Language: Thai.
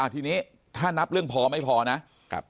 ทีนี้ถ้านับเรื่องพอไม่พอนะ